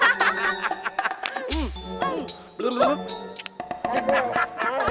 anda benar benar benarno